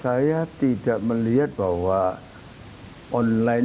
saya tidak melihat bahwa online itu bisa semua mengambil porsi daripada offline